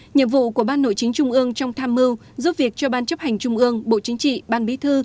nhiệm vụ của ban nội chính trung ương trong tham mưu giúp việc cho ban chấp hành trung ương bộ chính trị ban bí thư